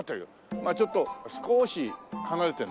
まあちょっと少し離れてるのかな。